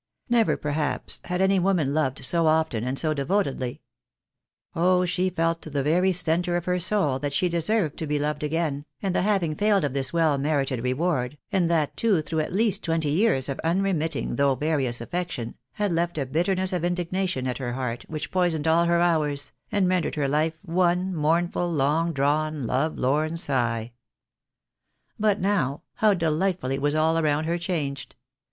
Never, perhaps, had any woman loved so often and so devotedly ! Oh ! she felt to the very centre of her soul that she deserved to be loved again, and the having failed of this srell merited reward, and that too through at least twenty years of unremitting though various affection, had left a bitterness of indignation at her heart, which poisoned all her hours, and rendered her Mfe one mournful, long drawn, love lorn sigh. But now, how delightfully was all around her changed